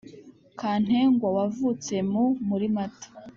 Kantengwa wavutse mu muri mata